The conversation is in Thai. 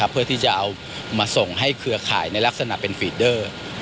เพื่อที่จะเอามาส่งให้เครือข่ายในลักษณะเป็นฟีดเดอร์